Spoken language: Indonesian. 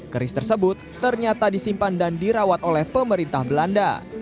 keris tersebut ternyata disimpan dan dirawat oleh pemerintah belanda